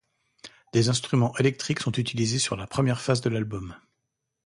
Des instruments électriques sont utilisés sur la première face de l’album.